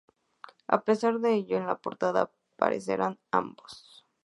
A pesar de ello, en la portada aparecerán ambos.